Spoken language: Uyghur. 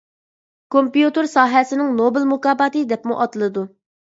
كومپيۇتېر ساھەسىنىڭ نوبېل مۇكاپاتى دەپمۇ ئاتىلىدۇ.